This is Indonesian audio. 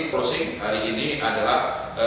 crossing hari ini adalah